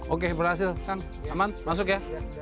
oke berhasil kang aman masuk ya